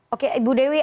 oke ibu dewi